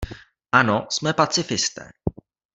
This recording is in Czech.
Ano, jsme pacifisté.